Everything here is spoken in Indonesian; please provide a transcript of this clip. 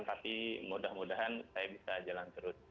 tapi mudah mudahan saya bisa jalan terus